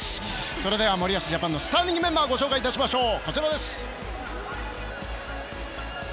それでは森保ジャパンのスターティングメンバーをご紹介しましょう。